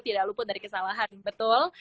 tidak luput dari kesalahan betul